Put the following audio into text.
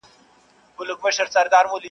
قرباني بې وسه پاتې کيږي تل,